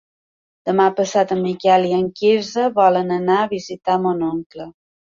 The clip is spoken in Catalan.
Demà passat en Miquel i en Quirze volen anar a visitar mon oncle.